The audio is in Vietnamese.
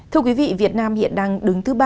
thưa quý vị việt nam hiện đang đứng thứ ba